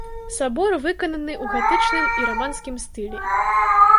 Сабор выкананы ў гатычным і раманскім стылі.